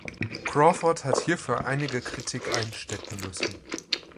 Crawford hat hierfür einige Kritik einstecken müssen.